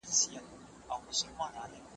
ولې ځینې ونې سږکال حاصل نه ورکوي؟